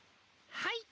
はい。